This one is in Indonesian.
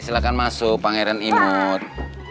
silahkan masuk pangeran imut